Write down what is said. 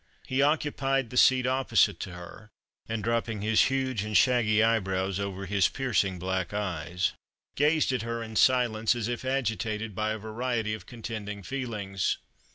He occupied the seat opposite to her, and dropping his huge and shaggy eyebrows over his piercing black eyes, gazed at her in silence, as if agitated by a variety of contending feelings.